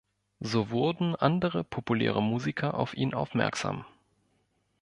So wurden andere populäre Musiker auf ihn aufmerksam.